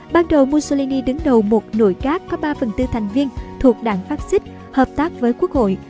ban đầu mussolini đứng đầu một nội các có ba phần tư thành viên thuộc đảng fascist hợp tác với quốc hội